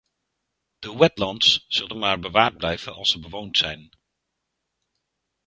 De wetlands zullen maar bewaard blijven, als ze bewoond zijn.